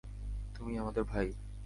তুমি আমাদের ভাই!